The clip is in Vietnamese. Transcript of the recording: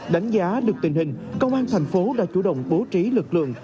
đánh giá được tình hình công an thành phố đã chủ động bố trí lực lượng